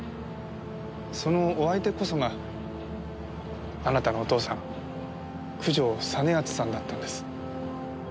そのお相手こそがあなたのお父さん九条実篤さんだったんです。